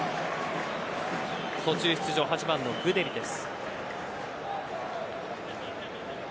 途中出場、８番のグデリです。